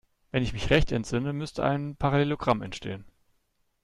Wenn ich mich recht entsinne, müsste ein Parallelogramm entstehen.